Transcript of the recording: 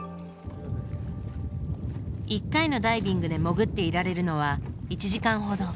１回のダイビングで潜っていられるのは１時間ほど。